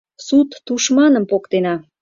Сут тушманым поктена...